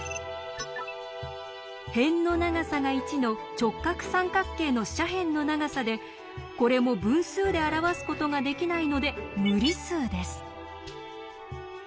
辺の長さが１の直角三角形の斜辺の長さでこれも分数で表すことができないので無理数です。